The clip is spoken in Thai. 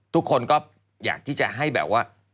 ทุกคนก็อยากที่จะให้แบบว่า